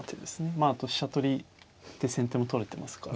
まああと飛車取りで先手も取れてますから。